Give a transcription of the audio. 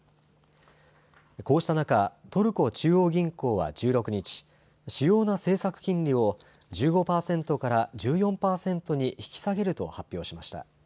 こうした中、トルコ中央銀行は１６日、主要な政策金利を１５％から１４％に引き下げると発表しました。